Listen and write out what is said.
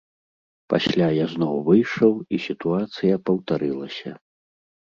Пасля я зноў выйшаў, і сітуацыя паўтарылася.